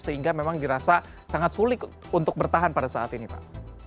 sehingga memang dirasa sangat sulit untuk bertahan pada saat ini pak